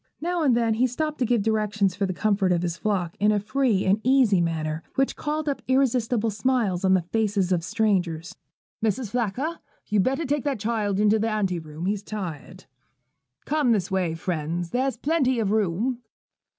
Now and then he stopped to give directions for the comfort of his flock in a free and easy manner, which called up irresistible smiles on the faces of strangers. 'Mrs. Flacker, you'd better take that child into the ante room: he's tired.' 'Come this way, friends: there's plenty of room.'